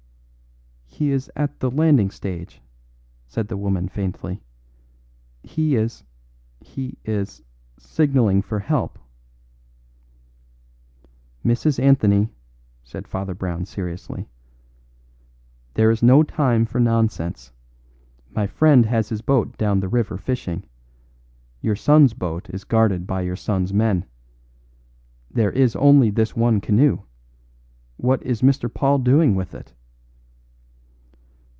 "He is at the landing stage," said the woman faintly. "He is he is signalling for help." "Mrs. Anthony," said Father Brown seriously, "there is no time for nonsense. My friend has his boat down the river fishing. Your son's boat is guarded by your son's men. There is only this one canoe; what is Mr. Paul doing with it?"